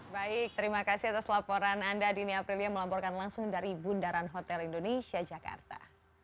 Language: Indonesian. baik terima kasih atas laporan anda dini aprilia melaporkan langsung dari bundaran hotel indonesia jakarta